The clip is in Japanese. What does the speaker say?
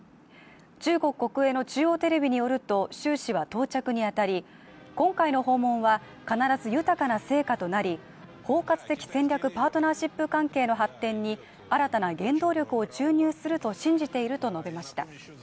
中国国営の中央テレビによると習氏は到着に当たり、今回の訪問は必ず豊かな成果となり、包括的戦略パートナーシップ関係の発展に新たな原動力を注入すると信じていると述べました。